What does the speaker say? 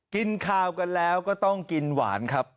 กินข้าวกันแล้วก็ต้องกินหวานครับ